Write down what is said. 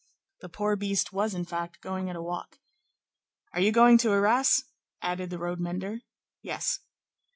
The poor beast was, in fact, going at a walk. "Are you going to Arras?" added the road mender. "Yes."